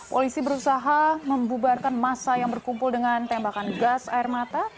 polisi berusaha membubarkan masa yang berkumpul dengan tembakan gas air mata